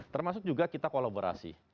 termasuk juga kita kolaborasi